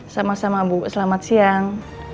sama sama bu selamat siang